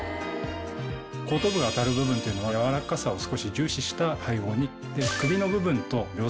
後頭部が当たる部分っていうのはやわらかさを少し重視した配合に。